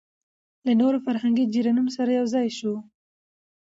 له نورو فرهنګي جريانونو سره يوځاى شو